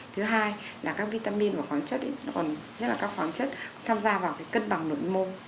thứ hai là các vitamin và khoáng chất nhất là các khoáng chất tham gia vào cái cân bằng nội môi